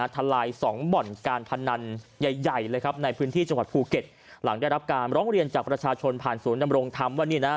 ทลายสองบ่อนการพนันใหญ่ใหญ่เลยครับในพื้นที่จังหวัดภูเก็ตหลังได้รับการร้องเรียนจากประชาชนผ่านศูนย์ดำรงธรรมว่านี่นะ